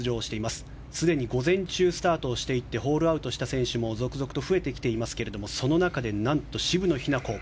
すでに午前中スタートをしていってホールアウトした選手も続々と増えてきていますがその中で、何と渋野日向子